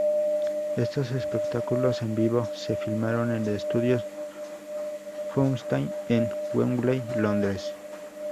Estos espectáculos en vivo se filmaron en Estudios Fountain en Wembley, Londres.